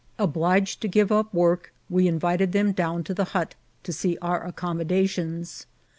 Obliged to give up work, we invited them down to the hut to see our accommodations.